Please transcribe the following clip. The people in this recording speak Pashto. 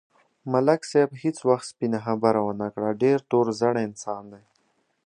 ملک صاحب هېڅ وخت سپینه خبره و نه کړه، ډېر تور زړی انسان دی.